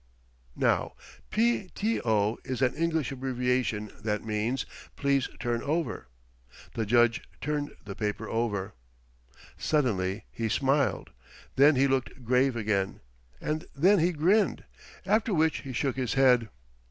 Now "P.T.O." is an English abbreviation that means "Please Turn Over." The Judge turned the paper over. Suddenly he smiled. Then he looked grave again. And then he grinned. After which he shook his head.